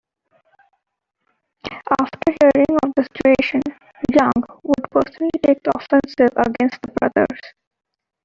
After hearing of the situation, Yang would personally take the offensive against the brothers.